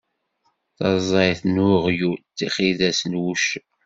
Taẓayt n uɣyul, tixidas n wuccen.